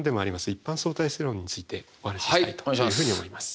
一般相対性理論についてお話ししたいというふうに思います。